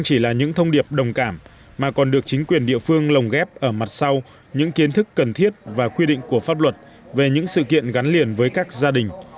chỉ là những thông điệp đồng cảm mà còn được chính quyền địa phương lồng ghép ở mặt sau những kiến thức cần thiết và quy định của pháp luật về những sự kiện gắn liền với các gia đình